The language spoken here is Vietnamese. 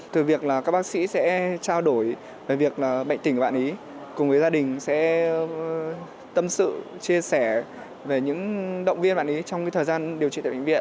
từ việc các bác sĩ sẽ trao đổi về việc bệnh tình của bạn ấy cùng với gia đình sẽ tâm sự chia sẻ về những động viên bạn ấy trong thời gian điều trị tại bệnh viện